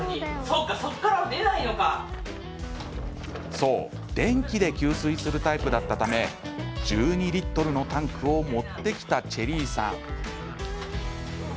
そう、電気で給水するタイプだったため１２リットルのタンクを持ってきたチェリーさん。